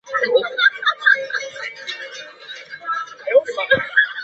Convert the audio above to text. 贝尔卡塔尔是德国黑森州的一个市镇。